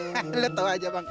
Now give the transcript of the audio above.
hand lo tau aja bang